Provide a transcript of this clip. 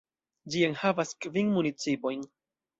Ĝi enhavas kvin municipojn.